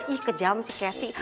ih kejam cik keti